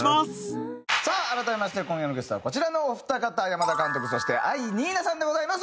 さあ改めまして今夜のゲストはこちらのお二方山田監督そして藍にいなさんでございます。